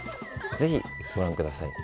ぜひご覧ください。